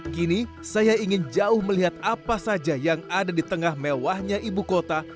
kini saya ingin jauh melihat apa saja yang ada di tengah mewahnya ibu kota